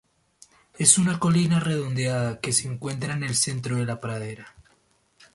Es una colina redondeada que se encuentra en el centro de la pradera.